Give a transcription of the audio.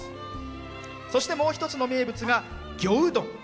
そして、もう一つの名物が魚うどん。